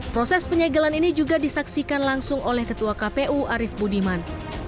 proses penyegelan ini juga disaksikan langsung oleh ketua kpu arief budiman